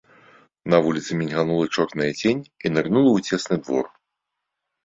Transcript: На вуліцы мільганула чорная цень і нырнула ў цесны двор.